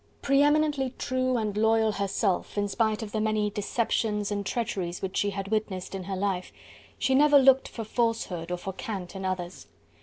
Pre eminently true and loyal herself in spite of the many deceptions and treacheries which she had witnessed in her life, she never looked for falsehood or for cant in others.